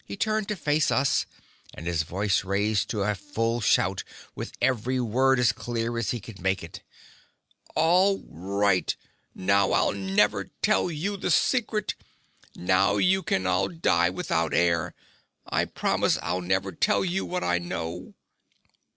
He turned to face us, and his voice raised to a full shout, with every word as clear as he could make it. "All right. Now I'll never tell you the secret. Now you can all die without air. I promise I'll never tell you what I know!"